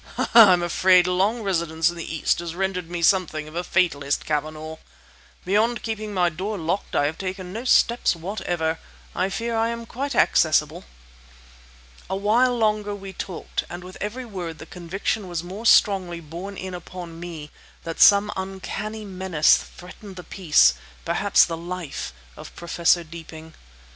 "I'm afraid long residence in the East has rendered me something of a fatalist, Cavanagh! Beyond keeping my door locked, I have taken no steps whatever. I fear I am quite accessible!" A while longer we talked; and with every word the conviction was more strongly borne in upon me that some uncanny menace threatened the peace, perhaps the life, of Professor Deeping.